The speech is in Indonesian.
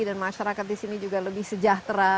dan masyarakat di sini juga lebih sejahtera